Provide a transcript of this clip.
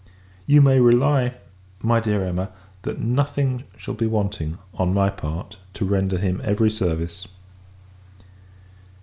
You may rely, my dear Emma, that nothing shall be wanting, on my part, to render him every service.